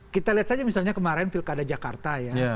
kita lihat saja misalnya kemarin pilkada jakarta ya